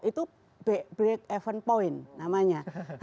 itu break even point namanya